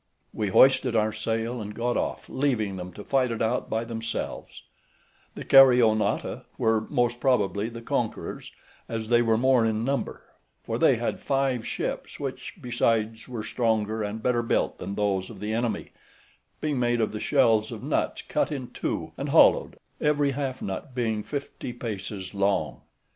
We hoisted our sail, and got off, leaving them to fight it out by themselves; the Caryonautae were most probably the conquerors, as they were more in number, for they had five ships, which besides were stronger and better built than those of the enemy, being made of the shells of nuts cut in two, and hollowed, every half nut being fifty paces long.